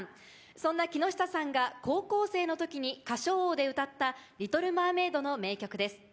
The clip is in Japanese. そんな木下さんが高校生の時に『歌唱王』で歌った『リトル・マーメイド』の名曲です。